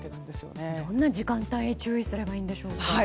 どんな時間帯に注意すればいいですか？